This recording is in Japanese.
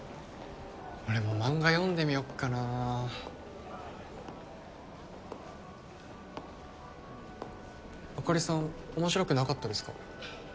俺も漫画読んでみよっかなあかりさん面白くなかったですか？